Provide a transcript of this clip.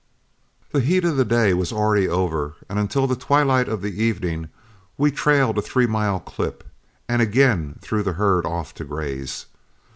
The heat of the day was already over, and until the twilight of the evening, we trailed a three mile clip, and again threw the herd off to graze.